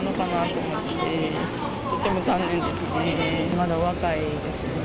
とても残念ですね。